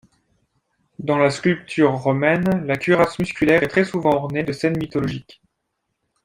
Dans la sculpture romaine, la cuirasse musculaire est très souvent ornée de scènes mythologiques.